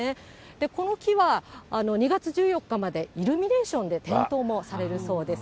この木は２月１４日までイルミネーションで点灯もされるそうです。